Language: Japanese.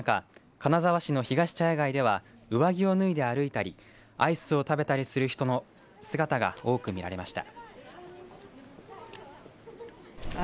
金沢市のひがし茶屋街では上着を脱いで歩いたりアイスを食べたりする人の姿が多く見られました。